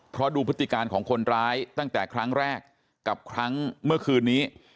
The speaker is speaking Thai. เพราะดูพฤติการของคนร้ายตั้งแต่ครั้งแรกกับครั้งเมื่อคืนนี้